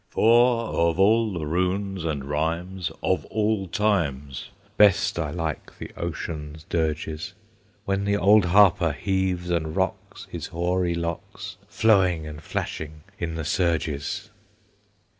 "For of all the runes and rhymes Of all times, Best I like the ocean's dirges, When the old harper heaves and rocks, His hoary locks Flowing and flashing in the surges!"